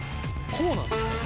こうなんすよ。